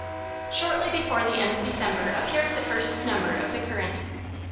Shortly before the end of December appeared the first number of The Current.